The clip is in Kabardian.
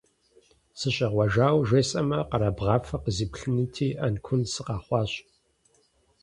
СыщӀегъуэжауэ жесӀэмэ, къэрабгъафэ къызиплъынути, Ӏэнкун сыкъэхъуащ.